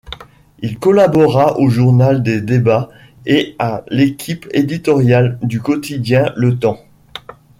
Il collabora au Journal des débats et à l'équipe éditoriale du quotidien Le Temps.